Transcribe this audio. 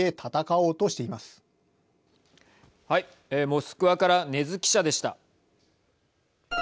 モスクワから禰津記者でした。